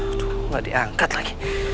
aduh gak diangkat lagi